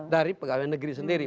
dari pegawai negeri sendiri